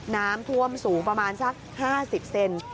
น้ำท่วมสูงประมาณสัก๕๐เซน